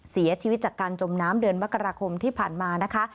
เสียชีวิตจากการจมน้ำเดือนมกราคมที่ผ่านมานะคะ